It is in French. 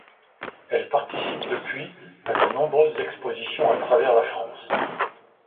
Elle participe, depuis, à de nombreuses expositions à travers la France.